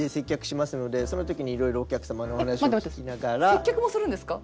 接客もするんですか？